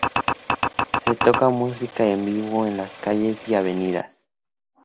Se toca música en vivo en las calles y las avenidas.